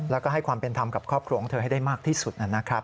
แล้วก็ให้ความเป็นธรรมกับครอบครัวของเธอให้ได้มากที่สุดนะครับ